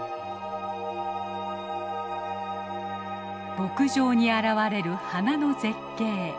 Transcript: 牧場に現れる花の絶景。